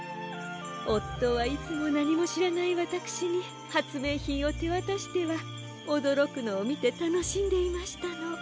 おっとはいつもなにもしらないわたくしにはつめいひんをてわたしてはおどろくのをみてたのしんでいましたの。